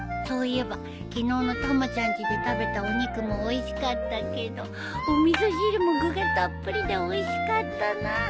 そういえば昨日のたまちゃんちで食べたお肉もおいしかったけどお味噌汁も具がたっぷりでおいしかったな。